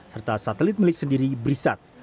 serta satelit milik sendiri brisat